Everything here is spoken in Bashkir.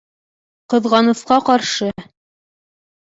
Ҡыҙғанысҡа ҡаршы